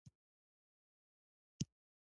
دوکاندار د ناروا ګټې پر ضد وي.